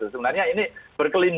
sebenarnya ini berkeliling